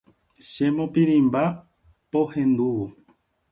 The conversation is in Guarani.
Chemopirĩmba pohendúvo.